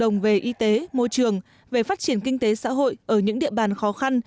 cộng đồng về y tế môi trường về phát triển kinh tế xã hội ở những địa bàn khó khăn